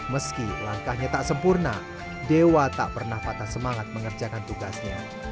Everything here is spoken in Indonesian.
meski langkahnya tak sempurna dewa tak pernah patah semangat mengerjakan tugasnya